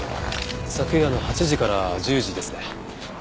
昨夜の８時から１０時ですね。